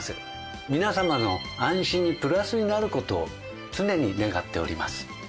皆様の安心にプラスになる事を常に願っております。